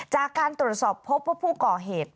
จากการตรวจสอบพบว่าผู้ก่อเหตุ